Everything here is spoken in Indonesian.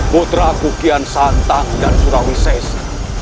putra aku kian santang dan surawisesa